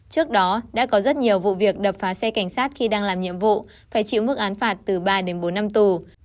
trước đó đã có rất nhiều vụ việc đập phá xe cảnh sát khi đang làm nhiệm vụ phải chịu mức án phạt từ ba đến bốn năm tù